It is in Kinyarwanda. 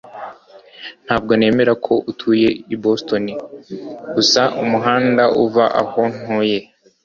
Ntabwo nemera ko utuye hano i Boston gusa umuhanda uva aho ntuye.